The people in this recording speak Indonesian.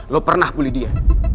lo pernah bully dia